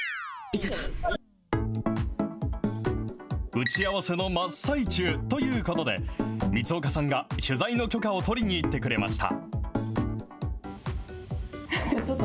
打ち合わせの真っ最中ということで、光岡さんが取材の許可を取りに行ってくれました。